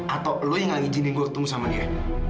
atau lo yang gak izinin gue ketemu sama dia